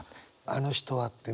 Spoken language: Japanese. あの人はってね。